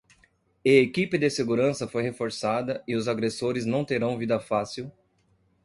E equipe de segurança foi reforçada e os agressores não terão vida fácil